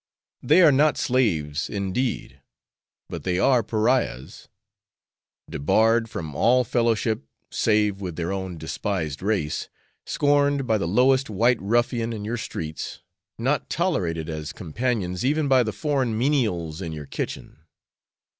They are not slaves indeed, but they are pariahs; debarred from all fellowship save with their own despised race scorned by the lowest white ruffian in your streets, not tolerated as companions even by the foreign menials in your kitchen.